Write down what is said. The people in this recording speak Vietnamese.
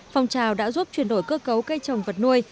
phong trào đã giúp chuyển đổi cơ cấu cây trồng vật nuôi